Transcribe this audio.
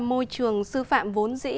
môi trường sư phạm vốn dĩ